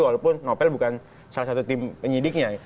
walaupun novel bukan salah satu tim penyidiknya